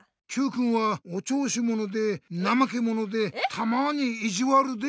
Ｑくんはおちょうしものでなまけものでたまにイジワルで。